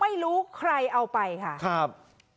ไม่รู้ใครเอาไปค่ะครับ